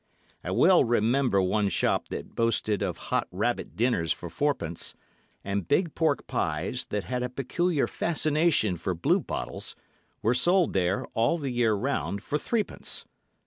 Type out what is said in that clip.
I well remember one shop that boasted of hot rabbit dinners for fourpence; and big pork pies, that had a peculiar fascination for blue bottles, were sold there, all the year round, for threepence.